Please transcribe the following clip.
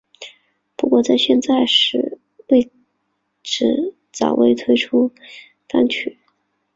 不过在现时为止暂未推出单曲。